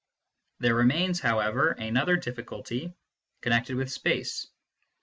There remains, however, another difficulty, connected space.